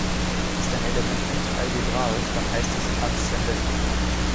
Ist ein Element nicht algebraisch, dann heißt es "transzendent".